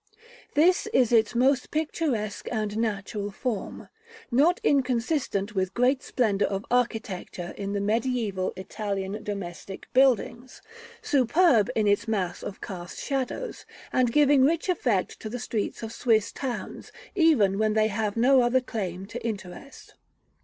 This is its most picturesque and natural form; not inconsistent with great splendor of architecture in the mediæval Italian domestic buildings, superb in its mass of cast shadow, and giving rich effect to the streets of Swiss towns, even when they have no other claim to interest.